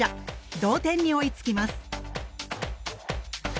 同点に追いつきます。